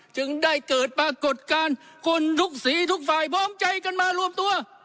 จึงได้เกิดปรากฏการณ์คนทุกสีทุกฝ่ายพร้อมใจกันมารวมตัว